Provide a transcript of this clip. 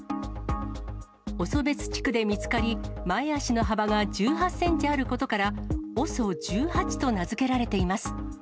おそべつ地区で見つかり、前足の幅が１８センチあることから、ＯＳＯ１８と名付けられています。